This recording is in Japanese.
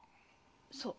そう。